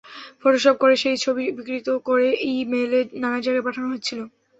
Photoshop করে সেই ছবি বিকৃত করে ই-মেইলে নানা জায়গায় পাঠানো হচ্ছিল।